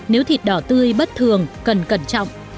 nếu thịt đỏ tươi bất thường cần cẩn trọng